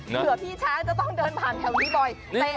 เผื่อพี่ช้างจะต้องเดินผ่านแถวนี้บ่อย